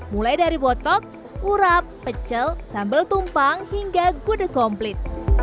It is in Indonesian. mulai dari botok urap pecel sambal tumpang hingga gudeg komplit